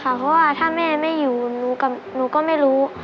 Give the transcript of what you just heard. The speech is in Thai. เพราะว่าถ้าแม่ไม่อยู่หนูกับหนูก็ไม่รู้